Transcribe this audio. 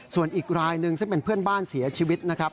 ส่วนอีกรายหนึ่งซึ่งเป็นเพื่อนบ้านเสียชีวิตนะครับ